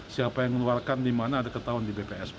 siapa yang mengeluarkan di mana ada ketahuan di bps